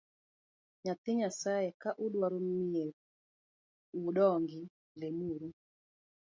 Nyithii nyasae ka udwaro mier u odong’i lem uru